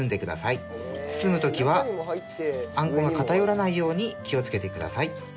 包む時はあんこが偏らないように気をつけてください。